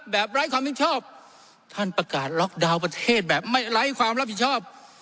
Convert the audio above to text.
ไร้ความเห็นชอบท่านประกาศล็อกดาวน์ประเทศแบบไม่ไร้ความรับผิดชอบ